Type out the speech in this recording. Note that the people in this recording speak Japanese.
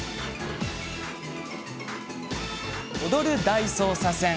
「踊る大捜査線」。